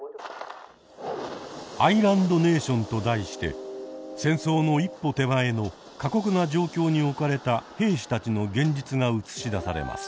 「アイランド・ネーション」と題して戦争の一歩手前の過酷な状況に置かれた兵士たちの現実が映し出されます。